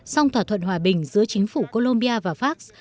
song thỏa thuận hòa bình giữa chính phủ colombia và fas